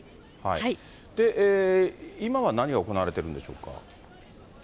今は何が行われているんでしょうか。